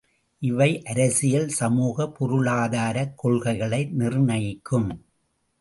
இவை அரசியல், சமூக, பொருளாதாரக் கொள்கைகளை நிர்ணயிக்கும்.